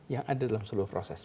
yang ada dalam seluruh proses